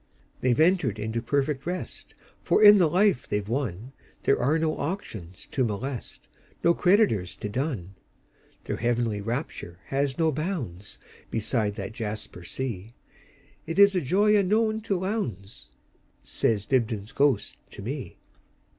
"They 've entered into perfect rest; For in the life they 've wonThere are no auctions to molest, No creditors to dun. Their heavenly rapture has no boundsBeside that jasper sea; It is a joy unknown to Lowndes,"Says Dibdin's ghost to me.